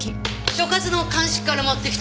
所轄の鑑識から持ってきた証拠品。